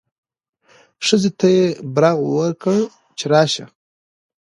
ښځې ته یې برغ وکړ چې راشه.